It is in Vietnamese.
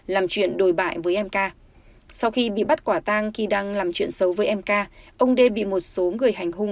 làm chuyện đồi bại với mk sau khi bị bắt quả tang khi đang làm chuyện xấu với mk ông đê bị một số người hành hung